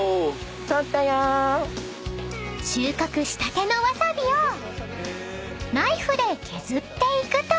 ［収穫したてのわさびをナイフで削っていくと］